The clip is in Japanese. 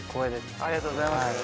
ありがとうございます。